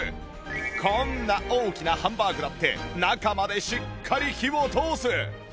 こんな大きなハンバーグだって中までしっかり火を通す！